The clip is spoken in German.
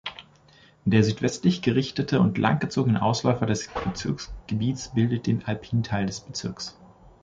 Der südwestlich gerichtete und langgezogene Ausläufer des Bezirksgebiets bildet den alpinen Teil des Bezirks.